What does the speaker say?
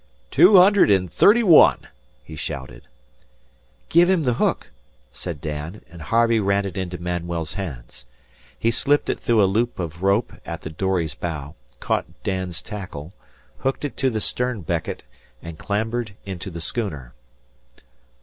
"Two hundred and thirty one," he shouted. "Give him the hook," said Dan, and Harvey ran it into Manuel's hands. He slipped it through a loop of rope at the dory's bow, caught Dan's tackle, hooked it to the stern becket, and clambered into the schooner.